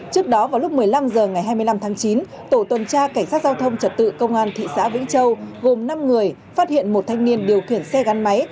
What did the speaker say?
trước đó vào lúc một mươi năm h ngày hai mươi năm tháng chín tổ tuần tra cảnh sát giao thông trật tự công an thị xã vĩnh châu gồm năm người phát hiện một thanh niên điều khiển xe gắn máy